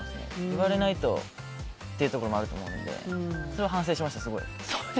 言われないとっていうところもあると思うのでそれは反省しました、すごい。